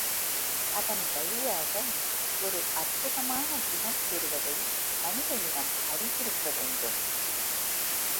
அதன் வழியாக ஒரு அற்புதமான குணம் பெறுவதை மனித இனம் அறிந்திருக்க வேண்டும்.